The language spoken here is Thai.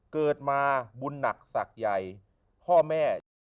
เกิดมาบุญหนักศักดิ์ใหญ่พ่อแม่